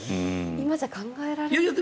今では考えられない。